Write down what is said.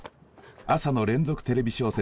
朝の連続テレビ小説